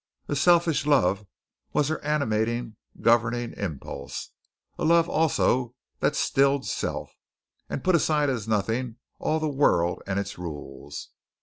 A selfish love was her animating, governing impulse a love also that stilled self, and put aside as nothing all the world and its rules.